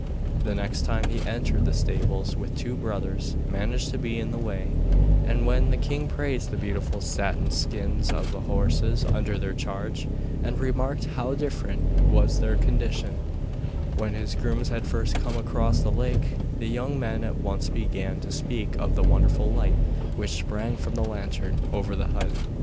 The next time he entered the stables the two brothers managed to be in the way, and when the king praised the beautiful satin skins of the horses under their charge, and remarked how different was their condition when his grooms had first come across the lake, the young men at once began to speak of the wonderful light which sprang from the lantern over the hut.